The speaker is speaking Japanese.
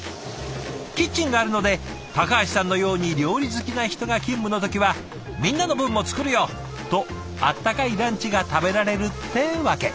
キッチンがあるので橋さんのように料理好きな人が勤務の時は「みんなの分も作るよ！」と温かいランチが食べられるってわけ。